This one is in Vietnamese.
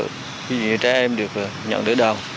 như những trẻ em được nhận đỡ đào